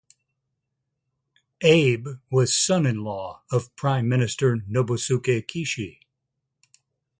Abe was son-in-law of Prime Minister Nobusuke Kishi.